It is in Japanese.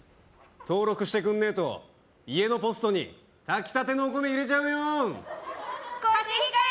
登録してくんねえと家のポストに炊きたてのお米入れちゃうよコシヒカリ！